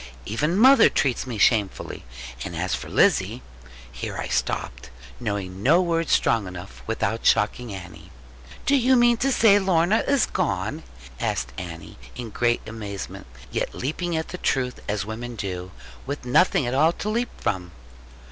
Even mother treats me shamefully. And as for Lizzie ' Here I stopped, knowing no words strong enough, without shocking Annie. 'Do you mean to say that Lorna is gone?' asked Annie, in great amazement; yet leaping at the truth, as women do, with nothing at all to leap from.